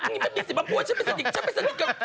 นี่ไม่เป็นสิบหัวฉันไม่สนิท